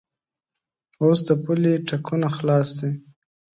اوس د پولې ټکونه خلاص دي.